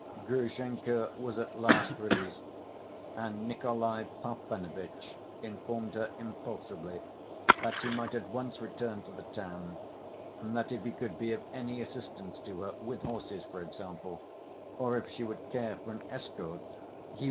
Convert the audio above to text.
Grushenka was at last released, and Nikolay Parfenovitch informed her impulsively that she might at once return to the town and that if he could be of any assistance to her, with horses for example, or if she would care for an escort, he